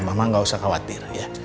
memang nggak usah khawatir ya